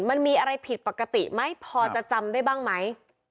มันมีอะไรผิดปกติไหมพอจะจำได้บ้างไหม